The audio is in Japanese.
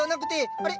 あれ？